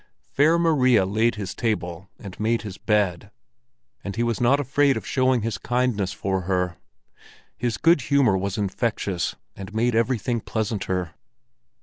Fair Maria laid his table and made his bed, and he was not afraid of showing his kindness for her. His good humor was infectious and made everything pleasanter.